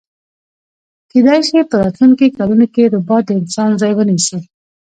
کیدای شی په راتلونکي کلونو کی ربات د انسان ځای ونیسي